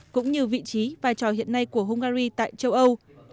cũng như vị trí vai trò hiện nay của hungary tại châu âu